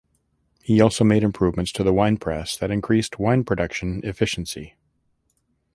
He also made improvements to the wine press that increased wine production efficiency.